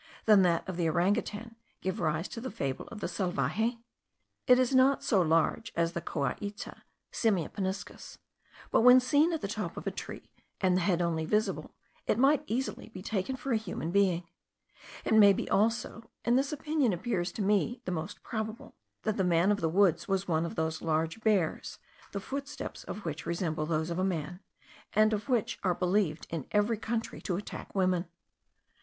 than that of the orang otang, given rise to the fable of the salvaje? It is not so large indeed as the coaita (Simia paniscus); but when seen at the top of a tree, and the head only visible, it might easily be taken for a human being. It may be also (and this opinion appears to me the most probable) that the man of the woods was one of those large bears, the footsteps of which resemble those of a man, and which are believed in every country to attack women.